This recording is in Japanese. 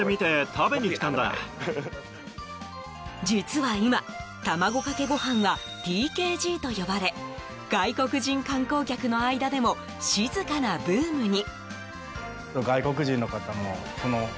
実は今、卵かけご飯はＴＫＧと呼ばれ外国人観光客の間でも静かなブームに。